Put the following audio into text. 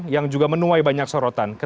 yang juga menuai banyak sorotan